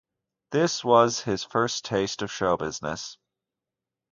This was his first taste of show business.